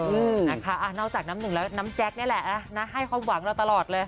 อืมนะคะนอกจากน้ำหนึ่งแล้วน้ำแจ๊คนี่แหละนะให้ความหวังเราตลอดเลย